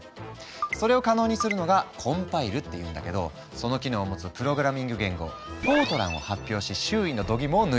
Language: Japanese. それを可能にするのが「コンパイル」っていうんだけどその機能を持つプログラミング言語「ＦＯＲＴＲＡＮ」を発表し周囲のどぎもを抜いたんだ。